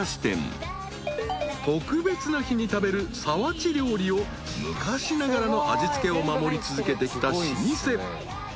［特別な日に食べる皿鉢料理を昔ながらの味付けを守り続けてきた老舗］